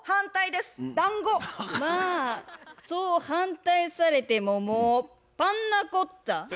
まあそう反対されてももう「パンナコッタ」。